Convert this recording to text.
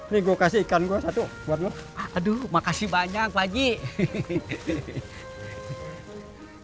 nih gua kasih ikan gua satu buat lu aduh makasih banyak waduh